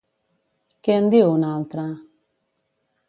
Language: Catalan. Què en diu una altra?